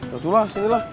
satu lah sini lah